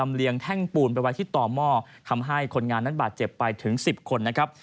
เลียแท่งปูนไปไว้ที่ต่อหม้อทำให้คนงานนั้นบาดเจ็บไปถึง๑๐คนนะครับ